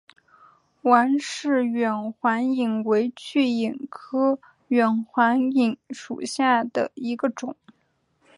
王氏远环蚓为巨蚓科远环蚓属下的一个种。